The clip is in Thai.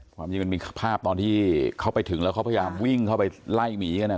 ความจริงมันมีภาพตอนที่เขาไปถึงแล้วเขาพยายามวิ่งเข้าไปไล่หมีกัน